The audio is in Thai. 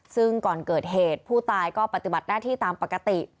ซึ่งก่อนเกิดเหตุผู้ตายก็ปฏิบัติหน้าที่ตามปกติ